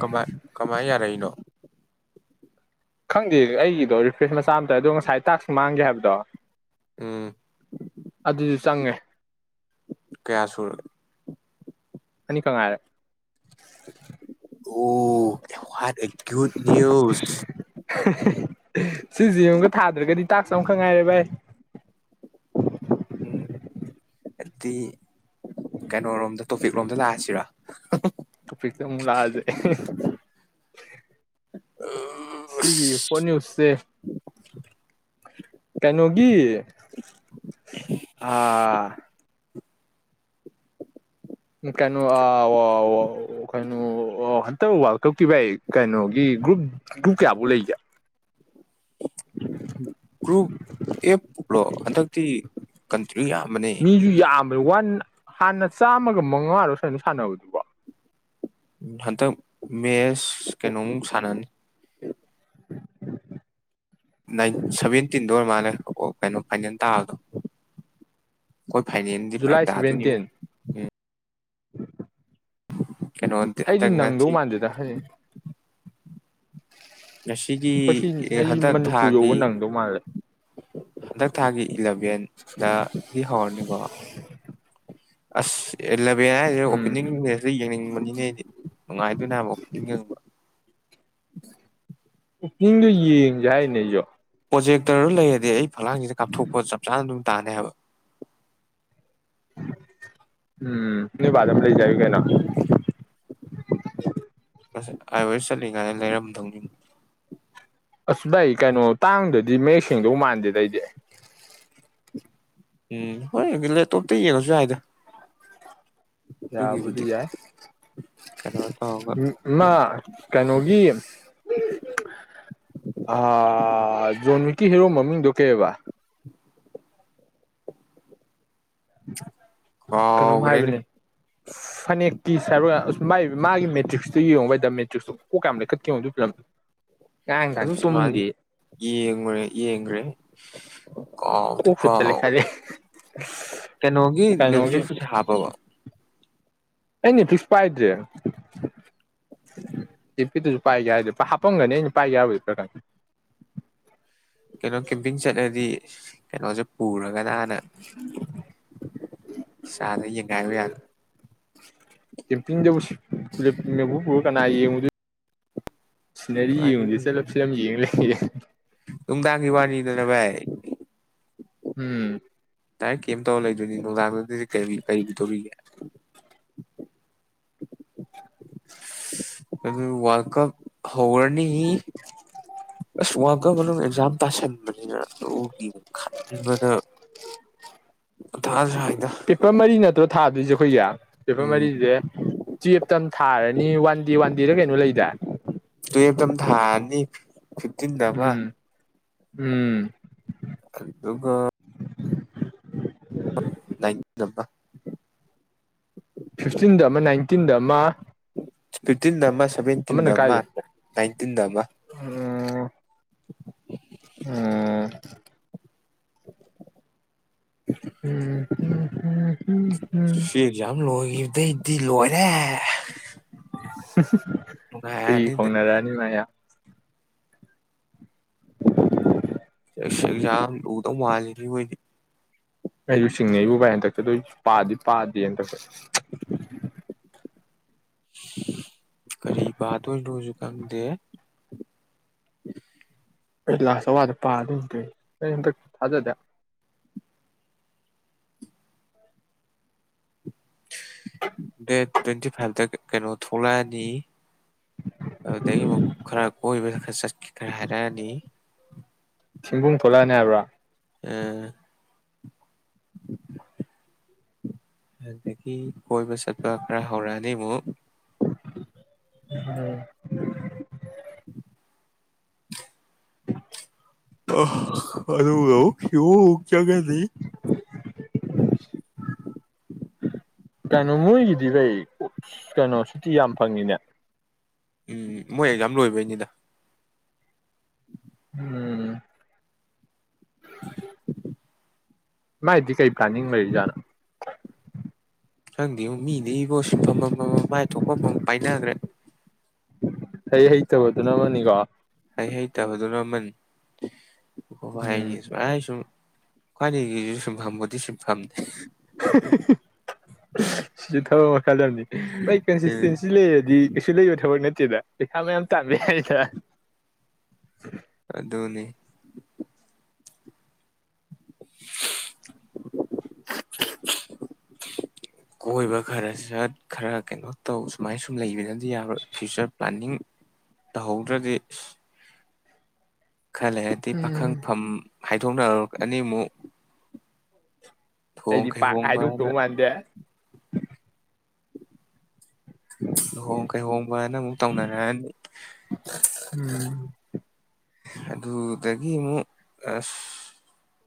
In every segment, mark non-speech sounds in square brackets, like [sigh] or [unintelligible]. ꯀꯃꯥꯏ ꯀꯃꯥꯏ ꯌꯥꯔꯛꯏꯅꯣ ꯈꯪꯗꯦ ꯑꯩꯒꯤꯗꯣ ꯔꯤꯐ꯭ꯔꯦꯁ ꯃꯆꯥ ꯑꯃ ꯇꯧꯋꯦ ꯑꯗꯣ ꯉꯁꯥꯏ ꯇꯥꯛꯁ ꯃꯥꯡꯒꯦ ꯍꯥꯏꯕꯗꯣ ꯎꯝ ꯑꯗꯨꯗꯤ ꯆꯪꯉꯦ ꯀꯌꯥ ꯁꯨꯔꯦ ꯑꯅꯤ ꯈꯛ ꯉꯥꯏꯔꯦ ꯑꯣ ꯋꯥꯠ ꯑꯦ ꯒꯨꯗ ꯅ꯭ꯌꯨꯁ ꯁꯤꯁꯦ ꯑꯃꯒ ꯊꯥꯗ꯭ꯔꯒꯗꯤ ꯇꯥꯛ ꯆꯝꯈ ꯉꯥꯏꯔꯦ ꯚꯥꯏ ꯎꯝ ꯑꯗꯨꯗꯤ ꯀꯩꯅꯣꯔꯣꯝꯗ ꯇꯣꯄꯤꯛ ꯔꯣꯝꯗ ꯂꯥꯛꯑꯁꯤꯔꯥ [unintelligible] ꯇꯣꯄꯤꯛꯇ ꯑꯃꯨꯛ ꯂꯥꯛꯑ ꯁꯦ ꯁꯤꯒꯤ ꯍꯣꯠ ꯅꯌꯨꯁꯁꯦ ꯀꯩꯅꯣꯒꯤ ꯒꯤ ꯑꯥ ꯀꯩꯅꯣ ꯑ ꯋꯥ ꯍꯟꯇꯛ ꯋꯥꯔꯜ ꯀꯞꯀꯤ ꯚꯥꯏ ꯀꯩꯅꯣꯒꯤ ꯒ꯭ꯔꯨꯞ ꯒ꯭ꯔꯨꯞ ꯀꯌꯥꯕꯧ ꯂꯩꯒꯦ ꯒ꯭ꯔꯨꯞ ꯑꯦꯞꯂꯣ ꯍꯟꯗꯛꯇꯤ ꯃꯤ ꯌꯥꯝꯕꯅꯦ ꯃꯤꯁꯨ ꯌꯥꯝꯕ ꯋꯥꯟ ꯍꯥꯟꯅ ꯆꯥꯝꯃꯒ ꯃꯉꯥꯔꯣ ꯁꯨꯃꯥꯏꯅ ꯁꯥꯟꯅꯕꯗꯨꯕꯣ ꯎ ꯍꯟꯇꯛ ꯃꯦꯁ ꯀꯩꯅꯣ ꯃꯨꯛ ꯁꯥꯟꯅꯅꯤ ꯍ [unintelligible] ꯅꯥꯏ ꯁꯚꯦꯟꯇꯤꯟꯗ ꯑꯣꯏꯔ ꯃꯥꯜꯂ ꯑꯣ ꯀꯩꯅꯣ ꯐꯥꯏꯅꯦꯜ ꯇꯥꯕꯗꯣ ꯑꯩꯈꯣꯏ ꯐꯥꯏꯅꯦꯜꯗꯤ ꯐꯔꯛ ꯇꯥꯗꯣꯏꯅꯤ ꯉꯣ ꯎꯝ ꯎ [unintelligible] [unintelligible] ꯑꯩꯗꯤ ꯍꯟꯗꯛ ꯅꯪꯗꯧ ꯉꯁꯤ ꯃꯥꯟꯗꯦꯗ ꯍꯥꯏꯖꯤ ꯉꯁꯤꯒꯤ ꯑꯩ ꯍꯟꯗꯛ ꯃꯅꯤꯄꯨꯔ ꯌꯧꯕ ꯊꯥꯒꯤ ꯅꯪꯗꯧ ꯃꯥꯜꯂꯦ ꯍꯟꯗꯛ ꯊꯥꯒꯤ ꯏꯂꯥꯚꯦꯟꯗꯒꯤ ꯍꯧꯔꯅꯤꯀꯣ ꯑꯁ ꯑꯦꯂꯚꯦꯟ ꯍꯥꯏꯁꯦ ꯎꯝ ꯑꯣꯄꯦꯅꯤꯡ ꯃꯦꯁꯇ ꯌꯦꯡꯅꯤꯡꯕꯅꯤꯅꯦ ꯑꯩꯗꯤ ꯅꯨꯡꯉꯥꯏꯦ ꯅꯃꯣ ꯏ [unintelligible] ꯑꯣꯞꯅꯤꯡꯗꯣ ꯌꯦꯡꯁꯦ ꯍꯥꯏꯅꯦ ꯑꯩꯁꯨ ꯄ꯭ꯔꯣꯖꯦꯛꯇꯔ ꯂꯩꯔꯗꯤ ꯑꯩ ꯐꯛꯂꯥꯡꯁꯤꯗ ꯀꯥꯞꯊꯣꯛꯄ ꯆꯞ ꯆꯥꯅ ꯑꯗꯨꯝ ꯇꯥꯅꯦ ꯍꯥꯏꯕ ꯎꯝ ꯅꯣꯏ ꯕꯥꯗ ꯑꯃ ꯂꯩꯁꯦ ꯍꯥꯌꯨ ꯀꯩꯅꯣ ꯉꯁꯥꯏ ꯑꯥꯏ ꯑꯣ ꯑꯦꯁ ꯆꯠꯂꯤꯉꯥꯏꯗ ꯂꯩꯔꯝꯗꯧꯅꯤꯨꯅꯦ ꯑꯁ ꯕꯥꯢ ꯑꯩ ꯀꯩꯅꯣ ꯇꯥꯡꯗꯗꯤ ꯃꯌꯦꯛ ꯁꯦꯡꯗꯧ ꯃꯥꯟꯗꯦꯗ ꯑꯩꯗꯤ ꯎꯝ ꯍꯣꯏꯗ ꯂꯦꯞꯇꯣꯞꯇ ꯌꯦꯡꯉꯁꯨ ꯌꯥꯏꯗ ꯌꯥꯕꯨꯗꯤ ꯑꯗꯨꯒꯤꯕꯨꯗꯤ ꯌꯥꯏ ꯀꯩꯅꯣ ꯇꯧꯔꯒ ꯃꯥ ꯀꯩꯅꯣꯒꯤ ꯑ ꯖꯣꯟ ꯀꯤ ꯍꯦꯔꯣ ꯃꯃꯤꯡꯗꯣ ꯀꯩꯕ [inaudible] ꯀꯥꯎꯒꯔꯦꯅꯦ ꯐꯅꯦꯛ ꯃꯥꯒꯤ ꯃꯥꯒꯤ ꯇ꯭ꯔꯤꯛꯁꯇꯨ ꯌꯦꯡꯉꯨ ꯃꯦꯇꯔꯤꯛꯁꯇꯨ ꯀꯣꯛ ꯀꯌꯥꯝ ꯂꯩꯈꯠꯀ ꯌꯦꯉꯣ ꯑꯗꯨ ꯐꯤꯂꯝꯗꯣ ꯉꯔꯥꯡ ꯅꯍꯥꯟ ꯑꯗꯨꯁꯨꯃꯅꯤ ꯇꯨꯝꯗꯦ ꯌꯦꯡꯉꯨꯔꯦ ꯌꯦꯡꯈ꯭ꯔꯦ ꯀ ꯀꯣꯛ ꯀ ꯁꯨꯠꯇ ꯂꯩꯈꯠꯂꯦ ꯀꯩꯅꯣꯒꯤ ꯀꯩꯅꯣꯒꯤ ꯅꯦꯐꯔꯤ ꯍꯥꯞꯄꯕ ꯑꯩꯅ ꯄꯤꯛꯁꯨ ꯄꯥꯏꯗ꯭ꯔꯦ ꯇꯤꯄꯤꯤꯗꯨꯨꯁꯨ ꯄꯥꯏꯒꯦ ꯍꯥꯏꯗꯤ ꯍꯥꯞꯄꯝꯒꯅꯤ ꯑꯩꯅ ꯄꯥꯏꯒꯦ ꯍꯥꯏꯕꯨꯗꯤ ꯈ ꯀꯩꯅꯣ ꯀꯦꯝꯄꯤꯡ ꯆꯠꯅꯗꯤ ꯀꯩꯅꯣꯖꯤ ꯄꯨꯔꯒꯅ ꯍꯥꯟꯅ ꯏꯁꯥꯗ ꯌꯦꯡꯒꯥꯏꯕ ꯌꯥꯅꯤ ꯇꯦꯝꯄꯤꯡꯗꯨꯕꯨ ꯃꯦꯛꯕꯨꯛ ꯄꯨꯔ ꯀꯅꯥ ꯌꯦꯡꯉꯨꯗꯣꯏ ꯁꯤꯅꯔꯤ ꯌꯦꯡꯉꯨꯖꯦ ꯆꯠꯂ ꯅꯨꯡꯉꯥꯏꯗꯣꯏꯅꯤ. ꯐꯤꯂꯝ ꯌꯦꯡ ꯂꯩ ꯅꯨꯡꯗꯥꯡꯒꯤ ꯋꯥꯅꯤꯗꯅ ꯚꯥꯏ ꯎꯝ ꯇꯥꯏꯀꯤꯝ ꯇꯧ ꯂꯩꯗꯣꯏꯅꯤ ꯅꯨꯡꯗꯥꯡꯗꯨꯗꯤ ꯀꯔꯤꯒꯗꯧꯔꯤꯒꯦ [inaudible] ꯑꯗꯨ ꯋꯥꯔꯜꯗ ꯀꯞ ꯍꯧꯔꯅꯤ ꯑꯁ ꯀꯞ ꯃꯅꯨꯡ ꯑꯦꯛꯖꯥꯝ ꯇꯥꯁꯟ ꯅ ꯑꯗꯨꯒꯤ ꯑꯃꯨꯛ ꯈꯟꯕꯗ ꯃꯊꯥ ꯁꯥꯏ ꯄꯦꯞꯄꯔ ꯃꯔꯤ ꯅꯠꯇꯔ ꯊꯥꯗꯣꯏꯁꯦ ꯑꯩꯈꯣꯏꯒꯤ ꯄꯦꯄꯔ ꯎꯝ ꯃꯔꯤꯁꯦ ꯇꯨꯌꯦꯞꯇ ꯑꯃ ꯊꯥꯔꯅꯤ ꯋꯥꯟ ꯗꯦ ꯋꯥꯟ ꯗꯦꯔ ꯀꯩꯅꯣ ꯂꯩꯗꯥꯏ ꯊꯅꯤ ꯐꯠꯇꯤꯟꯗꯕ ꯎꯝ ꯎꯝ ꯑꯗꯨ ꯑꯗꯨꯒꯒ ꯝꯕ ꯐꯤꯐꯇꯤꯟꯗ ꯑꯃ ꯅꯥꯏꯟꯇꯤꯟꯗ ꯑꯃ ꯇꯤꯟ ꯅꯃꯁ ꯁꯚꯦꯟꯇꯤꯟꯗ ꯑꯃꯅ ꯑꯃ ꯅꯥꯏꯟꯇꯤꯟꯗ ꯑꯃ ꯑꯣ [inaudible] ꯑꯝ ꯎꯝ ꯎꯝꯝ ꯁꯤ ꯌꯥꯝꯂꯣ ꯏꯕꯗꯩꯗꯤ ꯂꯣꯏꯔꯦ ꯁ ꯁꯤ ꯅꯨꯡꯉꯥꯏꯔꯅꯤ ꯍꯨꯏ ꯈꯣꯡꯅꯔꯛꯑꯅꯤ ꯃꯌꯥ ꯁꯖꯝ ꯃꯥꯜꯂꯤꯅꯤ ꯑꯣꯏꯣꯏꯗꯤ ꯑꯩꯨ ꯁꯤꯡꯉ ꯑꯩꯌꯨ ꯚꯥꯏ ꯍꯟꯗꯛꯇ ꯑꯗꯨꯁꯨ ꯄꯥꯗꯤ ꯄꯥꯗꯦ ꯍꯟꯗꯛꯇ ꯀꯔꯤ ꯄꯥꯗꯣꯏꯅꯣꯁꯨ ꯈꯪꯗꯦ ꯑꯩ ꯂꯥꯁ ꯑꯋꯥꯗ ꯄꯥꯗꯗ ꯑꯩ ꯍꯟꯗꯛꯇ ꯊꯥꯖꯗꯦ ꯗꯦꯠ ꯇ꯭ꯋꯦꯟꯇꯤ ꯐꯥꯏꯚꯇ ꯀꯩꯅꯣ ꯊꯣꯛꯂꯛꯑꯅꯤ ꯑꯗꯨꯗꯒꯤ ꯑꯃꯨꯛ ꯈꯔ ꯀꯣꯏꯕ ꯈꯔꯠ ꯁꯤꯕꯨꯡ ꯊꯂꯛꯑꯅꯤ ꯍꯥꯏꯕ꯭ꯔꯥ ꯎ ꯑꯗꯒꯤ ꯀꯣꯏꯕ ꯆꯠꯄ ꯈꯔ ꯍꯧꯔꯛꯑꯅꯤ ꯑꯃꯨꯛ ꯍꯝ ꯎꯝ ꯑ ꯑꯗꯨ ꯍ ꯆꯒꯁꯤ ꯀꯩꯅꯣ ꯃꯣꯏꯒꯤꯗꯤ ꯀꯩ ꯀꯩꯅꯣ ꯁꯨꯇꯤ ꯌꯥꯝ ꯐꯪꯉꯤꯅꯦ ꯎꯝ ꯃꯣꯏ ꯑꯦꯛꯖꯥꯝ ꯂꯣꯏꯕꯩꯅꯤꯗ ꯎꯝ [inaudible] ꯃꯥꯥꯏꯗꯤ ꯀꯩ ꯄ꯭ꯂꯥꯅꯤꯡ ꯂꯩꯖꯅ ꯈꯪꯗꯦ ꯃꯤꯗ ꯏꯕꯣ ꯁꯤꯟꯐꯝꯃꯝ ꯃꯥꯏ ꯊꯣꯛꯐꯝꯝ ꯄꯥꯏꯅꯈ꯭ꯔꯦ ꯍꯩ ꯍꯩꯇꯕꯗꯨ ꯅ ꯑꯃꯅꯤꯅꯤꯀꯣ ꯍꯩ ꯍꯩꯇꯕꯗꯨ ꯂꯃꯟ ꯍ ꯍꯥꯏꯅꯤ ꯎꯝ ꯑꯩꯥꯏ ꯁꯨꯝ ꯍ ꯁꯤ ꯐꯝꯕꯗꯤ ꯁꯤ ꯐꯝ ꯁꯤꯁꯨ ꯊꯕꯛ ꯃꯈꯜ ꯑꯃꯅꯤ ꯃꯥꯏ ꯀꯟꯁꯤꯁꯇꯦꯟꯁꯤ ꯂꯩꯔꯗꯤ ꯀꯩꯁꯨ ꯂꯩꯕ ꯊꯕꯛ ꯅꯠꯇꯦ ꯁꯤꯗ ꯄꯩꯁꯥ ꯃꯌꯥꯝ ꯆꯥꯃꯦ ꯍꯥꯏꯗ ꯑꯗꯨꯅꯤ ꯀꯣꯏꯕ ꯈꯔ ꯁꯠ ꯈꯔ ꯀꯩꯅꯣ ꯇꯧ ꯁꯨꯃꯥꯏ ꯁꯨꯝ ꯂꯩꯕꯅꯗꯤ ꯌꯥꯔꯔꯣꯏ ꯐ꯭ꯌꯨꯆꯔ ꯄ꯭ꯂꯥꯅꯤꯡ ꯇꯧꯍꯧꯗ꯭ꯔꯗꯤ ꯈꯜꯂꯦ ꯍꯥꯏꯗꯤ ꯎꯝ ꯄꯥꯈꯪꯐꯝ ꯍꯥꯏꯗꯣꯛꯅꯔꯛ ꯑꯅꯤꯃꯨꯛ ꯑꯩꯗꯤ ꯄꯥꯛ ꯍꯥꯏꯗꯣꯛꯇꯧ ꯃꯥꯟꯗꯦ ꯂꯨꯍꯣꯡ ꯀꯩꯍꯣꯡꯕ ꯍꯥꯏꯅ ꯑꯃꯨꯛ ꯇꯧꯅꯔꯛꯑꯅꯤ ꯎꯝ ꯑꯗꯨꯗꯒꯤ ꯑꯃꯨꯛ ꯑꯁ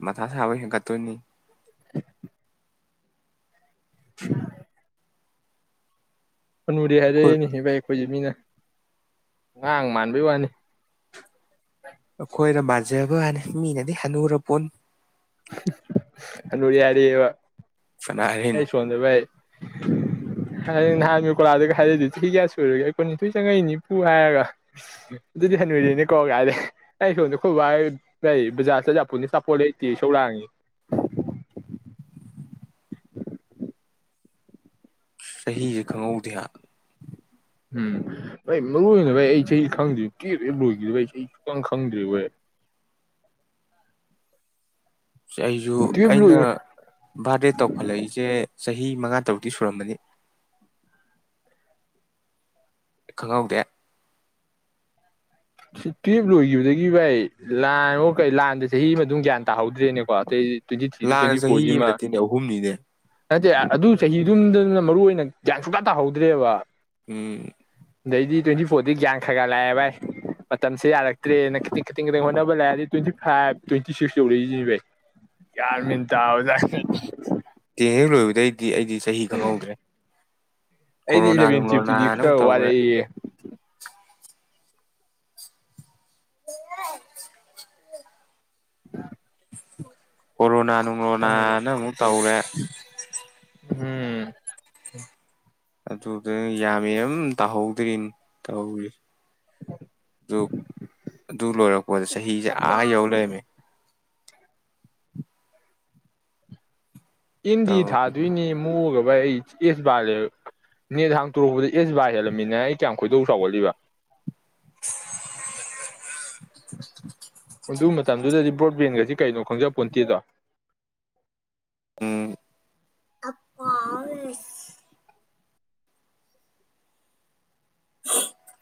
ꯃꯊꯥ ꯁꯥꯕ ꯍꯦꯟꯀꯠꯇꯣꯏꯅꯤ [unintelligible] [unintelligible] ꯐꯨꯗꯤꯦ ꯑꯩꯈꯣꯏ ꯍꯥꯏꯔꯛꯏꯅꯦꯚꯩ ꯑꯩꯈꯣꯏꯁꯦ ꯃꯤꯅ ꯉꯍꯥꯡ ꯃꯥꯟꯕꯥꯟꯕꯩ ꯋꯥꯅꯤ ꯑꯩꯈꯣꯏꯅ ꯃꯥꯟꯖꯕ ꯍꯅꯤ ꯃꯤꯅꯗꯤ ꯍꯅꯨꯔ ꯄꯣ ꯑ ꯌꯥꯔꯤ ꯑꯦꯕ ꯀꯅꯥ ꯍꯥꯏꯔꯛꯏꯅꯣ ꯑꯩ ꯁꯣꯟꯗꯦ ꯥꯏ ꯍꯥꯏ ꯅꯍꯥꯟ ꯀꯣꯂꯥꯗꯒ ꯍꯥꯏꯔꯗꯤ ꯆꯍꯤ ꯀꯌꯥ ꯁꯨꯔꯒꯦ ꯑꯩ ꯀꯣꯟ ꯅꯤꯊꯣꯏ ꯆꯪꯉꯛꯏꯅꯤꯄꯨ ꯍꯥꯏꯔꯒ ꯑꯗꯨꯗꯤ ꯍꯅꯨꯔꯦꯅꯦ ꯀꯧꯒ ꯍꯥꯏꯔꯦ ꯑꯩ ꯁꯣꯝꯗ ꯈꯨꯣꯏꯕ ꯂꯩ ꯕꯖꯥꯔ ꯆꯖ ꯄꯨ ꯆꯄꯣꯠ ꯂꯩ ꯇꯤ ꯁꯧ ꯂꯥꯡꯉꯤ ꯆꯍꯤꯁꯦ ꯈꯪꯍꯧꯗꯦ ꯍꯥꯏ ꯎꯝ ꯅ ꯃꯔꯨ ꯑꯣꯏꯅ ꯚꯥꯏ ꯑꯩ ꯆꯍꯤ ꯈꯪꯗ꯭ꯦ ꯀꯦꯔꯦ ꯂꯣꯏꯈꯤꯗꯕ ꯑꯩ ꯁꯨꯛꯀꯪ ꯈꯪꯗ꯭ꯔꯦ ꯍ ꯑꯩꯁꯨ ꯇꯨꯌꯦꯜꯞ ꯑꯩꯅ ꯂꯣꯏ ꯕꯥꯔꯗꯦ ꯇꯧꯈꯠꯂꯛꯏꯁꯦ ꯆꯍꯤ ꯃꯉꯥ ꯇꯔꯨꯗꯤꯤ ꯁꯨꯔꯝꯕꯅꯤ ꯈꯪꯍꯧꯗꯦ ꯇꯨꯌꯦꯜꯞ ꯂꯣꯏꯈꯤꯕꯗꯒꯤ ꯚꯥꯏ ꯂꯥꯟ ꯑꯃꯨꯛ ꯀꯩ ꯂꯥꯟꯗ ꯆꯍꯤ ꯑꯃ ꯑꯗꯨꯝ ꯒ꯭ꯌꯥꯟ ꯇꯥꯍꯧꯗ꯭ꯔꯦꯅꯦꯀꯣ ꯑꯇꯩ ꯇ꯭ꯋꯦꯟꯇ ꯊꯔꯤ ꯂꯥꯟꯅ ꯇ꯭ꯋꯦꯟꯇꯤ ꯐꯣꯔ ꯆꯍꯤ ꯑꯃ ꯅꯠꯇꯦꯅꯦ ꯑꯍꯨꯝꯅꯤꯅꯦ ꯖꯤ ꯑꯗꯨ ꯆꯍꯤꯗꯨꯝꯗꯅ ꯃꯔꯨꯑꯣꯏ ꯑꯣꯏꯅ ꯒ꯭ꯌꯥꯟ ꯁꯨꯀ ꯇꯥꯍꯧꯗ꯭ꯔꯦꯕ ꯎꯝ ꯗꯩꯗꯤ ꯇ꯭ꯋꯦꯟꯇꯤ ꯄꯨꯗꯤ ꯥꯡ ꯈꯒꯂꯦ ꯚꯥꯏ ꯃꯇꯝꯁꯦ ꯌꯥꯔꯛꯇ꯭ꯔꯦꯅ ꯈꯤꯇꯪ ꯈꯤꯇꯪ ꯈꯤꯇꯪ ꯍꯣꯠꯅꯕ ꯂꯩꯗꯤ ꯇ꯭ꯋꯦꯟꯇꯤ ꯐꯥꯏꯚ ꯇ꯭ꯋꯦꯟꯇꯤ ꯁꯤꯛꯁ ꯌꯧꯔꯛꯏꯁꯤꯅꯤꯚꯩ ꯌꯥꯔꯃꯤꯟ ꯇꯥ ꯑꯣꯖꯥ ꯀꯍꯦ ꯂꯣꯏꯗ ꯗꯤ ꯑꯩꯗꯤ ꯆꯍꯤ ꯈꯪꯍꯧꯗ꯭ꯔꯦ ꯑꯩꯗꯤ ꯀꯣꯔꯣꯅꯥ ꯏꯂꯚꯦꯟ ꯇꯨꯌꯦꯞꯇꯨꯗꯤ ꯅꯨꯡꯂꯣꯅꯥꯅ ꯑꯃꯨꯛ ꯈꯔ ꯇꯧꯈ꯭ꯔꯦ ꯋꯥꯔꯛꯏꯌꯦ ꯀꯣꯔꯣꯅꯥ ꯈꯤꯇꯪ ꯅꯨꯡꯂꯣꯅꯥꯅꯪ ꯑꯃꯨꯛ ꯇꯧꯔꯦ ꯎ ꯍꯝ ꯑꯗꯨꯗꯨ ꯌꯥꯝꯃꯦ ꯑꯗꯨꯝ ꯇꯥꯍꯧꯗ꯭ꯔꯤꯅ ꯇꯧꯍꯧꯔꯤ ꯑꯗꯨ ꯑꯗꯨ ꯂꯣꯏꯔꯛꯄ ꯍ ꯆꯍꯤꯁꯦ ꯑꯥ ꯌꯧ ꯂꯩꯔꯝꯃꯦ ꯏꯟꯗꯤ ꯇꯧ ꯊꯥꯗꯣꯏꯅꯦ ꯃꯣꯒ ꯕꯥꯏ ꯑꯩ ꯑꯦꯁ ꯕꯥ ꯅꯦꯠ ꯍꯥꯡꯇꯣꯔꯛꯄꯗ ꯑꯦꯁ ꯕꯥꯔ ꯍꯦꯜꯂꯝꯃꯤꯅ ꯑꯩ ꯀꯌꯥꯝ ꯈꯣꯏꯗꯧ ꯆꯥꯎꯒꯠꯂꯤꯕ [inaudible] ꯑꯗꯨ ꯃꯇꯝꯗꯨꯗꯗꯤ ꯕ꯭ꯔꯣꯗꯕꯦꯟꯒꯁꯤ ꯀꯩꯅꯣ ꯈꯪꯖ ꯄꯨꯟꯇꯤꯗ ꯎꯝ ꯑꯄꯥꯥꯎ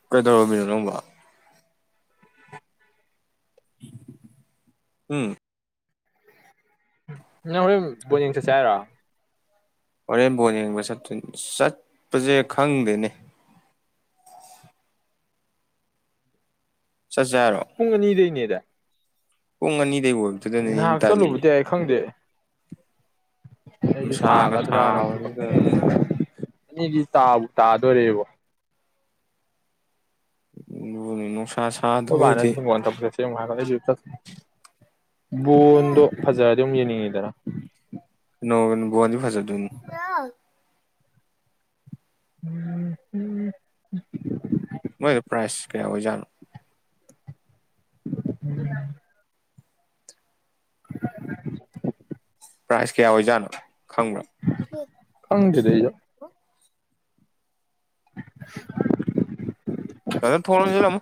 ꯀꯩꯗꯧꯕꯤꯅꯣꯕ ꯎꯝ ꯅꯪ ꯍꯣꯔꯦꯟ ꯕꯣꯠ ꯌꯦꯡ ꯆꯠꯁꯦ ꯍꯥꯏꯔꯣ ꯍꯣꯔꯦꯝꯕꯣꯟ ꯌꯦꯡꯕ ꯆꯠꯇꯣꯏ ꯆꯠꯄꯁꯦ ꯈꯪꯗꯦꯅꯦ ꯆꯠꯁꯦ ꯄꯨꯡ ꯑꯅꯤꯗꯅꯦ ꯗ ꯎꯉꯅꯤ ꯅꯍꯥꯛ ꯆꯠꯂꯨꯕꯗꯤ ꯑꯩ ꯈꯪꯗꯦ ꯁꯨ ꯅꯨꯡꯁꯥꯒ ꯁꯥꯒꯗ꯭ꯔ ꯅ ꯁꯥꯕꯗꯨꯗ ꯑꯅꯤꯗꯤ ꯇꯥ ꯇꯥꯗꯣꯔꯦꯕ ꯎꯣꯅꯤꯅ ꯈꯨ ꯑꯅꯟꯅꯤ ꯃꯣꯣꯟ ꯄꯨ ꯃꯍꯔꯗ ꯌꯛꯇ ꯕꯣꯟꯗꯣ ꯀꯩꯅꯣ ꯐꯖ ꯑꯗꯨꯝ ꯌꯦꯡꯅꯤꯡꯉꯤ ꯇꯔ ꯅꯣꯡ ꯨꯋꯥ ꯐꯖꯠ ꯌꯥ ꯎꯝ ꯎꯝ ꯃꯣꯏꯗ ꯄ꯭ꯔꯥꯏꯖ ꯀꯌꯥ ꯑꯣꯏꯖꯥꯠꯅꯣ [inaudible] [inaudible] ꯄ꯭ꯔꯥꯏꯖ ꯀꯌꯥ ꯑꯣꯏꯖꯥꯠꯅꯣ ꯈꯪꯕ ꯂꯩ [inaudible] ꯑꯣ ꯊ ꯂꯝ ꯑꯃ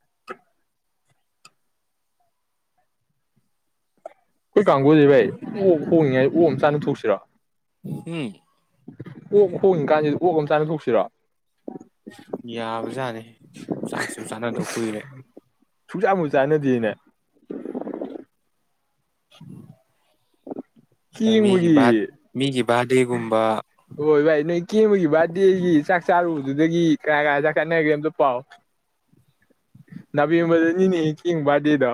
[inaudible] ꯑꯩꯈꯣꯏ ꯀꯥꯡꯕꯨꯨꯁ ꯚꯥꯏ ꯑꯣꯛ ꯍꯣꯡꯉꯉꯥꯏ ꯑꯣꯛ ꯑꯃ ꯆꯥꯅ ꯊꯣꯛꯣꯛꯁꯤꯔꯥ ꯎꯝ ꯑꯣꯛ ꯍꯣꯡꯉ ꯀꯥꯟꯁꯤ ꯑꯣꯛ ꯑꯃ ꯆꯥꯅ ꯇꯣꯛꯁꯤꯔꯣ ꯌꯥꯕꯖꯥꯠꯅꯤ ꯆꯥꯛꯁꯨ ꯆꯥꯅꯗꯧ ꯀꯨꯏꯔꯦ ꯁꯨꯡꯆꯥ ꯃꯨ ꯆꯥꯟꯅꯗꯦꯅꯦ ꯃꯤꯒꯤ ꯕꯥ ꯀꯦꯡꯕꯒꯤ ꯃꯤꯒꯤ ꯕꯥꯔꯗꯦꯒꯨꯝꯕ ꯀꯦꯕꯒꯤ ꯕꯥꯔꯗꯦꯒꯤ ꯆꯥꯛ ꯆꯥꯔꯨꯕꯗꯨꯗꯒꯤ ꯀꯅꯥ ꯀꯅꯥ ꯆꯥꯛ ꯆꯥꯅꯒꯦ ꯑꯝꯇ ꯄꯥꯎ ꯅꯥꯕꯦꯝꯕꯔꯗꯅꯤꯅꯦ ꯀꯦꯡꯕ ꯕꯥꯔꯗꯦꯗꯣ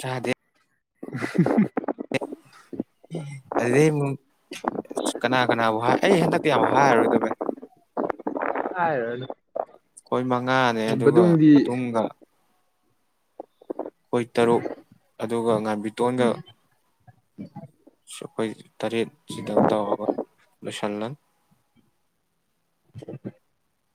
ꯆꯥꯗꯦ [unintelligible] ꯑꯗꯨꯗꯩꯩ ꯑꯃꯨꯛ ꯀꯅꯥ ꯀꯅꯥꯕꯨ ꯍꯥꯏ ꯑꯩ ꯍꯟꯗꯛꯇꯤ ꯌꯥꯝꯕ ꯍꯥꯏꯔꯣꯏꯗ ꯕꯥꯏ꯫ ꯍꯥꯏ [unintelligible] ꯑꯩꯈꯣꯏ ꯃꯉꯥꯅꯦ ꯑꯗꯨꯒ ꯑꯗꯨꯝꯒ ꯑꯩꯈꯣꯏ ꯇꯔꯨꯛ ꯑꯗꯨꯒ ꯉꯥꯏꯕꯤꯇꯣꯟꯗ ꯎꯝ ꯑꯩꯈꯣꯏ ꯇꯔꯦꯠ ꯁꯤꯗꯪ ꯇꯧꯔꯒ ꯂꯣꯏꯁꯤꯜꯂꯅꯤ [unintelligible]